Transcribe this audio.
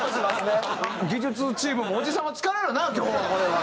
技術チームもおじさんは疲れるな今日はこれは。